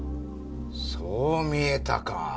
そう見えたか。